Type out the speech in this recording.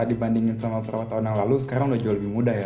dibandingkan dengan beberapa tahun yang lalu sekarang sudah jauh lebih mudah ya